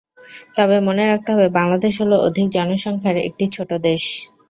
তবে মনে রাখতে হবে, বাংলাদেশ হলো অধিক জনসংখ্যার একটি ছোট দেশ।